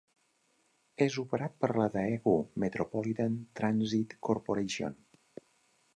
És operat per la Daegu Metropolitan Transit Corporation.